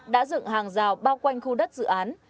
đã dựng hàng rào bao quanh khu đất dự án